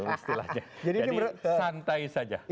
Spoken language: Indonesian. istilahnya jadi santai santai